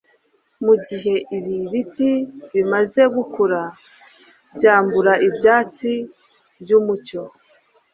mugihe ibi biti bimaze gukura, byambura ibyatsi byumucyo